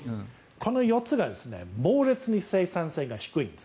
この４つが猛烈に生産性が低いんです。